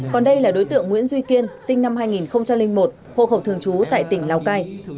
còn đây là đối tượng nguyễn duy kiên sinh năm hai nghìn một hộ khẩu thường trú tại tỉnh lào cai